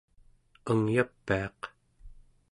angyapiaq